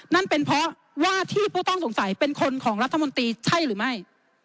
นั่นเป็นเพราะว่าที่ผู้ต้องสงสัยเป็นคนของรัฐมนตรีใช่หรือไม่